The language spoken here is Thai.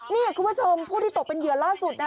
นี่คุณผู้ชมผู้ที่ตกเป็นเหยื่อล่าสุดนะ